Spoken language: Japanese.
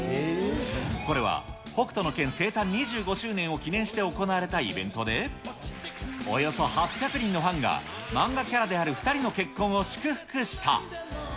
これは北斗の拳生誕２５周年を記念して行われたイベントで、およそ８００人のファンが漫画キャラである２人の結婚を祝福した。